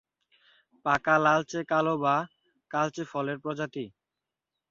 পাকা লালচে কালো বা কালচে ফলের প্রজাতি।